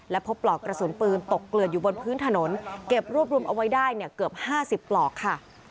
พบปลอกกระสุนปืนตกเกลือดอยู่บนพื้นถนนเก็บรวบรวมเอาไว้ได้เนี่ยเกือบ๕๐ปลอกค่ะ